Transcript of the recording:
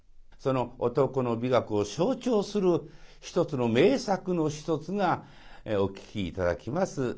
その男の美学を象徴する一つの名作の一つがお聴き頂きます